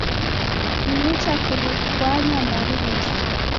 Ni nicha kurikwanya mbari rose